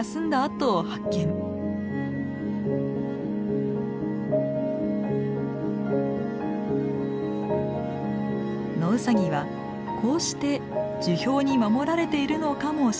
ノウサギはこうして樹氷に守られているのかもしれません。